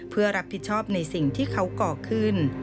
เพื่อรับผิดชอบในสิ่งที่เขาก่อขึ้น